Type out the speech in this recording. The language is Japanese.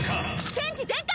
チェンジ全開！